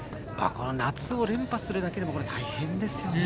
夏を連覇するだけでも大変ですよね。